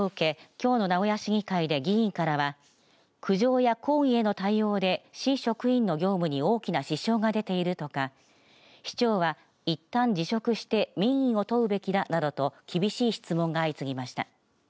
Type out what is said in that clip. きょうの名古屋市議会で議員からは苦情や抗議への対応で市職員の業務に大きな支障が出ているとか市長は、いったん辞職して民意を問うべきだなどと厳しい質問が相次ぎました。